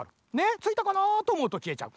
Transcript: ついたかなとおもうときえちゃう。